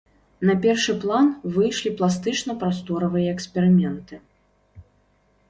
На першы план выйшлі пластычна-прасторавыя эксперыменты.